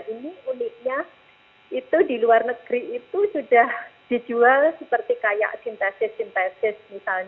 ini uniknya itu di luar negeri itu sudah dijual seperti kayak sintesis sintesis misalnya antigen sars cov dua